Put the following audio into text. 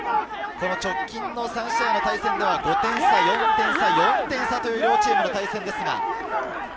直近の３試合の対戦では５点差、４点差、４点差という両チームの対戦です。